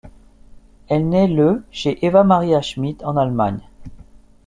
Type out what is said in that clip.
Elle naît le chez Eva-Maria Schmid, en Allemagne.